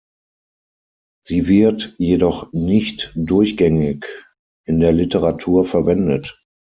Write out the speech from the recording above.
Sie wird jedoch nicht durchgängig in der Literatur verwendet.